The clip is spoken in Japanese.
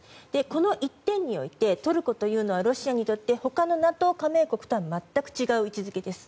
この一点においてトルコというのはロシアにとって他のＮＡＴＯ加盟国とは全く違う位置づけです。